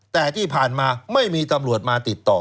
แต่ที่ผ่านมาไม่มีตำรวจมาติดต่อ